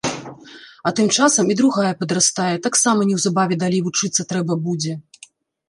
А тым часам і другая падрастае, таксама неўзабаве далей вучыцца трэба будзе.